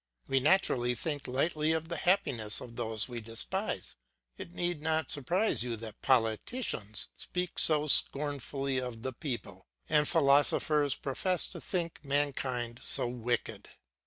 We naturally think lightly of the happiness of those we despise. It need not surprise you that politicians speak so scornfully of the people, and philosophers profess to think mankind so wicked.